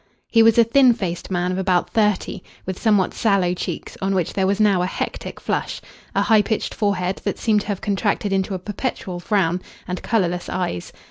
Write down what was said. He was a thin faced man of about thirty, with somewhat sallow cheeks on which there was now a hectic flush, a high pitched forehead that seemed to have contracted into a perpetual frown, and colourless eyes.